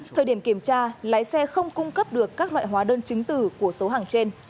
thời điểm kiểm tra lái xe không cung cấp được các loại hóa đơn chứng tử của số hàng trên